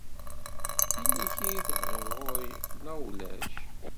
Yella kra i tebɣiḍ ɣur-i neɣ ulac?